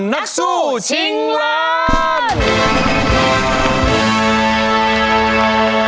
นักสู้ชิงล้าน